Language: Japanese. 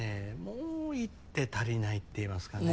もう一手足りないっていいますかね